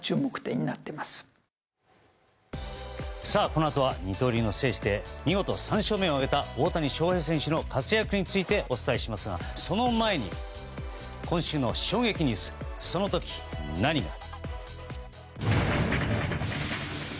このあとは二刀流の聖地で見事３勝目を挙げた大谷翔平選手の活躍についてお伝えしますがその前に、今週の衝撃ニュースその時、何が。